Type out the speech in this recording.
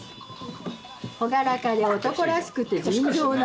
朗らかで男らしくて純情な」。